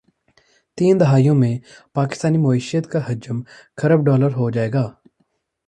تین دہائیوں میں پاکستانی معیشت کا حجم کھرب ڈالرہوجائےگا